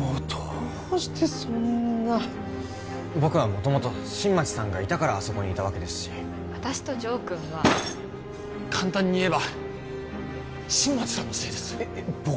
もうどうしてそんな僕は元々新町さんがいたからあそこにいたわけですし私と城君は簡単にいえば新町さんのせいですえっえっ僕？